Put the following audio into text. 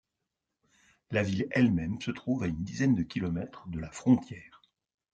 La ville elle-même se trouve à une dizaine de kilomètres de la frontière.